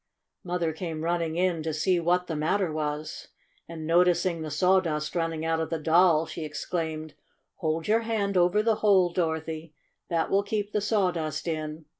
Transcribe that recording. Mother came running in to see what the matter was. And, noticing the sawdust running out of the Doll, she exclaimed : "Hold your hand over the hole, Doro thy ! That will keep the sawdust in